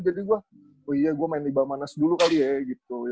jadi gue harus main tiba mana dulu dan iya gitu